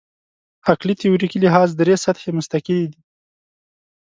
عقلي تیوریکي لحاظ درې سطحې مستقلې دي.